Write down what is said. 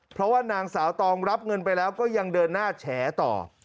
เพราะว่านางสาวตองรับเงินไปแล้วก็ยังเดินหน้าแฉต่อ